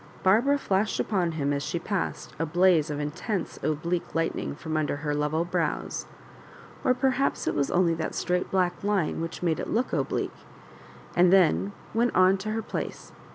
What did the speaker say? Barbara flashed upon him as she passed a blaze of intense oblique lightning from under her level brows— or per haps it was only that straight black Ime which made it look oblique — and then went on to her place.